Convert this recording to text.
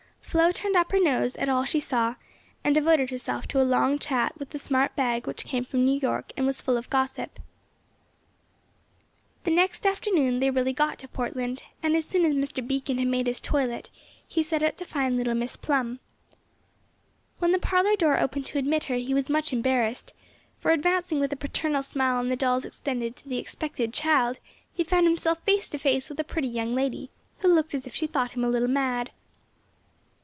Flo turned up her nose at all she saw, and devoted herself to a long chat with the smart bag which came from New York and was full of gossip. The next afternoon they really got to Portland, and as soon as Mr. Beacon had made his toilet he set out to find little Miss Plum. When the parlor door opened to admit her he was much embarrassed, for, advancing with a paternal smile and the dolls extended to the expected child, he found himself face to face with a pretty young lady, who looked as if she thought him a little mad.